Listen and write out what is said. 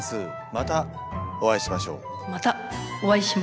またお会いしましょう。